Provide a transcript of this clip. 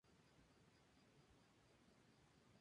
Desde entonces no han sido contados por separado de los Lakota.